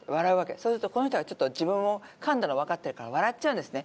そうするとこの人がちょっと自分もかんだのわかってるから笑っちゃうんですね。